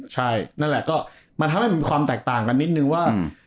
ใช่นั่นแหละก็มันทำให้มีความแตกต่างกันนิดนึงว่า